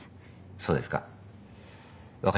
そうですか。